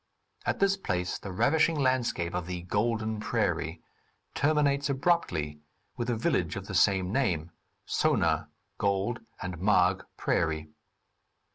At this place the ravishing landscape of the "golden prairie" terminates abruptly with a village of the same name (Sona, gold, and Marg, prairie).